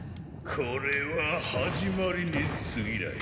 これは始まりにすぎない。